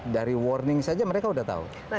dari warning saja mereka sudah tahu